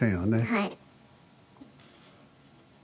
はい。